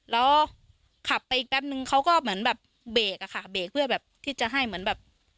รถเข้าไปอีกแป๊บนึงเขาก็เบิก